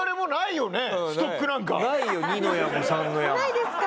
ないですか？